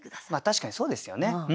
確かにそうですよね。